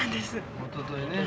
おとといね。